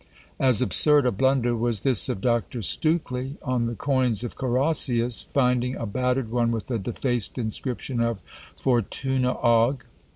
As absurd a blunder was this of Dr. Stukeley on the coins of Carausius; finding a battered one with a defaced inscription of FORTVNA AVG.